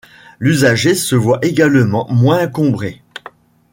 L’usager se voit également moins encombré.